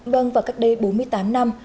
vâng và các đây bốn mươi tám năm